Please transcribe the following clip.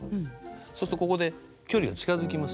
そうするとここで距離が近づきます。